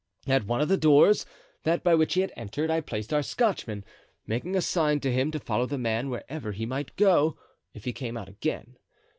At one of the doors, that by which he had entered, I placed our Scotchman, making a sign to him to follow the man wherever he might go, if he came out again.